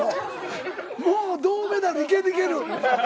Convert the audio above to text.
もう銅メダルいけるいける。